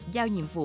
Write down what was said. giao nhiệm vụ